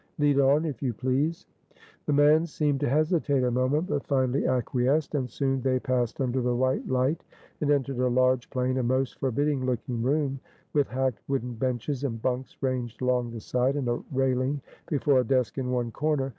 Lead on, if you please." The man seemed to hesitate a moment, but finally acquiesced; and soon they passed under the white light, and entered a large, plain, and most forbidding looking room, with hacked wooden benches and bunks ranged along the sides, and a railing before a desk in one corner.